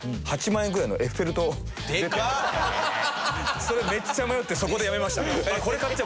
それめっちゃ迷ってそこでやめました。